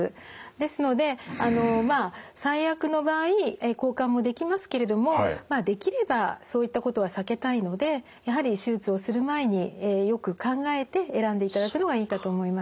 ですのでまあ最悪の場合交換もできますけれどもまあできればそういったことは避けたいのでやはり手術をする前によく考えて選んでいただくのがいいかと思います。